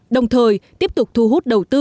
đồng thời tiếp tục thu hút đầu tư